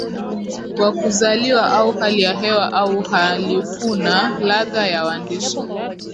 Kwa kuzaliwa au hali ya hewa au uhalifuna ladha ya waandishi